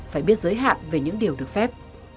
phải biết giới hạn về những điều được phép